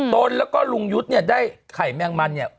ตนแล้วก็ลุงยุทธ์เนี่ยได้ไข่แมงมันเนี่ย